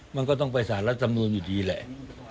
มันก็ต้องไปสารรัฐธรรมนูลอยู่ดีแหละ